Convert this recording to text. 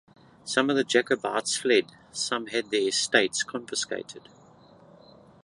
Some of the Jacobites fled; some had their estates confiscated.